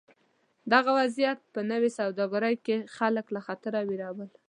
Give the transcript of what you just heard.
دغه وضعیت په نوې سوداګرۍ کې خلک له خطره وېرول.